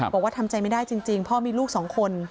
บอกว่าทำใจไม่ได้จริงพ่อมีลูกสองคน